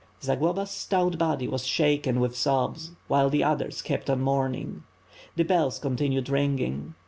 Zagloba's stout body was shaken with sobs while the others kept on mourning. The bells continued ringing.